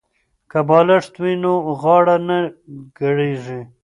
که بالښت وي نو غاړه نه کږیږي.